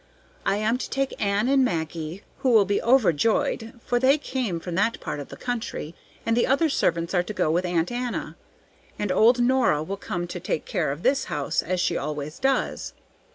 I am to take Ann and Maggie, who will be overjoyed, for they came from that part of the country, and the other servants are to go with Aunt Anna, and old Nora will come to take care of this house, as she always does.